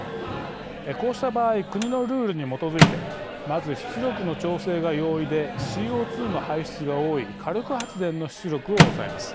こうした場合国のルールに基づいてまず出力の調整が容易でＣＯ２の排出が多い火力発電の出力を抑えます。